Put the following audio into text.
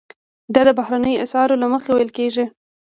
دا د بهرنیو اسعارو له مخې ویل کیږي.